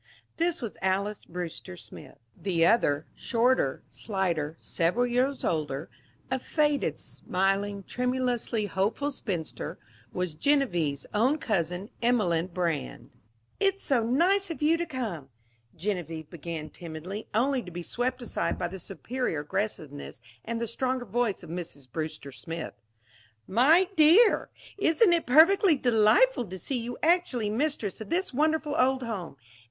This was Alys Brewster Smith. The other, shorter, slighter, several years older, a faded, smiling, tremulously hopeful spinster, was Genevieve's own cousin, Emelene Brand. "It's so nice of you to come " Geneviève began timidly, only to be swept aside by the superior aggressiveness and the stronger voice of Mrs. Brewster Smith. "My dear! Isn't it perfectly delightful to see you actually mistress of this wonderful old home.